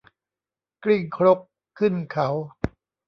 กลิ้งครกขึ้นเขา